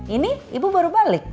ini ibu baru balik